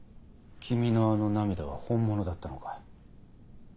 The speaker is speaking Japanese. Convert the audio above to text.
君のあの涙は本物だったのか。